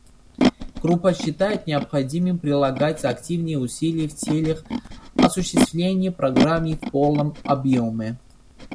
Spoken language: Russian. Группа считает необходимым прилагать активные усилия в целях осуществления Программы в полном объеме.